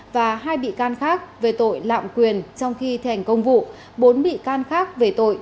và hai bị can khác về tội lạm quyền trong khi thành công vụ bốn bị can khác về tội